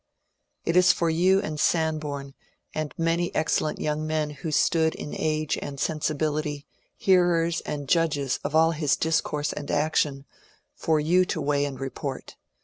It is for you and Sanborn and many excellent young men who stood in age and sensibility hearers and judges of all his discourse and action — for you to weigh and report.